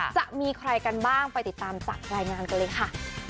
จะมีใครกันบ้างไปติดตามจากรายงานกันเลยค่ะ